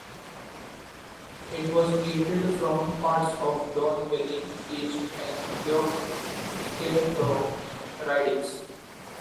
It was created from parts of Don Valley East and York-Scarborough ridings.